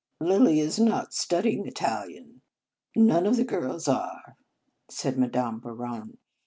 " Lilly is not studying Italian. None of the children are," said Madame Bouron.